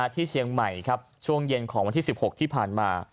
ที่เชียงใหม่ครับช่วงเย็นของวันที่๑๖ที่ผ่านมา